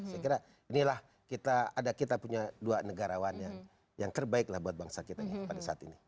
saya kira inilah kita ada kita punya dua negarawan yang terbaik lah buat bangsa kita pada saat ini